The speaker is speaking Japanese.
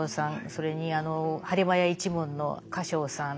それに播磨屋一門の歌昇さん